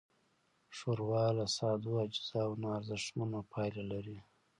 ښوروا له سادهو اجزاوو نه ارزښتمنه پايله لري.